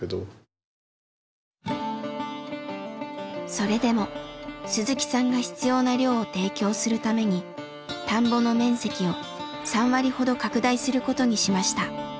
それでも鈴木さんが必要な量を提供するために田んぼの面積を３割ほど拡大することにしました。